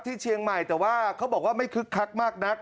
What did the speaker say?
ที่เชียงใหม่แต่ว่าเขาบอกว่าไม่คึกคักมากนัก